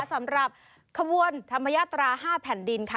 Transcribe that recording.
สำหรับขบวนธรรมยาตรา๕แผ่นดินค่ะ